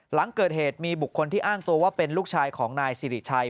หลังเกิดเหตุมีบุคคลที่อ้างตัวว่าเป็นลูกชายของนายสิริชัย